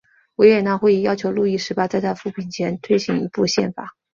维也纳会议要求路易十八在他复辟前推行一部宪法。